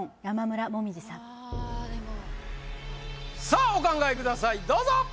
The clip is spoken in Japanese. さあお考えくださいどうぞ！